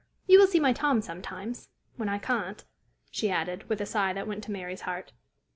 You will see my Tom sometimes when I can't!" she added, with a sigh that went to Mary's heart.